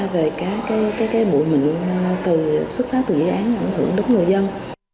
về các cái bụi nhịn từ xuất phát từ dự án ảnh hưởng đúng người dân